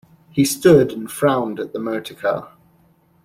He stood and frowned at the motor-car.